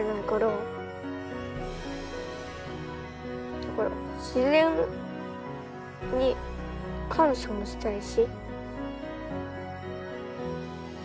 だから自然に感謝もしたいし。